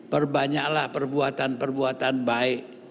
perbanyaklah perbuatan perbuatan baik